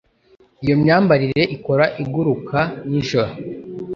Iyo myambarire ikora iguruka-nijoro.